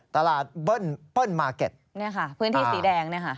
ตลาดเปิ้ลมาร์เก็ตนี่ค่ะพื้นที่สีแดงนี่ค่ะ